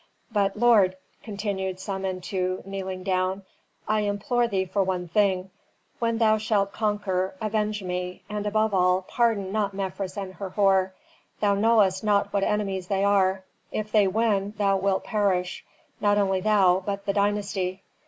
But, lord," continued Samentu kneeling down, "I implore thee for one thing: when thou shalt conquer, avenge me, and above all, pardon not Mefres and Herhor. Thou knowest not what enemies they are. If they win, thou wilt perish, not only thou, but the dynasty."